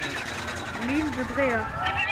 l'île de Bréhat.